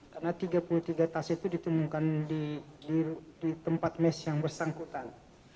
karena tiga puluh tiga tas itu ditemukan di tempat mes yang bersangkutan